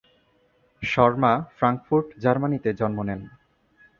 Sharma Frankfurt জার্মানিতে জন্ম নেন।